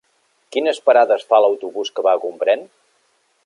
Quines parades fa l'autobús que va a Gombrèn?